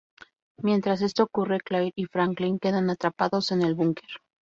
Mientras esto ocurre, Claire y Franklin quedan atrapados en el búnker.